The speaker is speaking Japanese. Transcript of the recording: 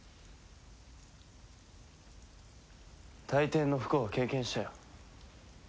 大抵の不幸は経験したよ。